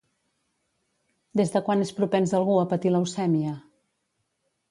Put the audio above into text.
Des de quan és propens algú a patir leucèmia?